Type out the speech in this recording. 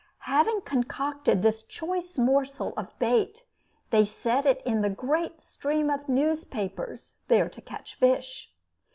Having concocted this choice morsel of bait, they set it in the great stream of newspapers, there to catch fish.